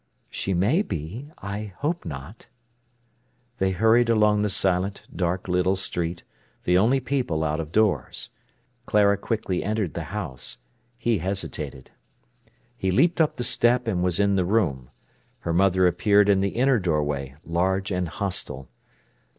"She may be. I hope not." They hurried along the silent, dark little street, the only people out of doors. Clara quickly entered the house. He hesitated. He leaped up the step and was in the room. Her mother appeared in the inner doorway, large and hostile.